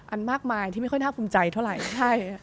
อันมากมายที่ไม่ค่อยน่าภูมิใจเท่าไหร่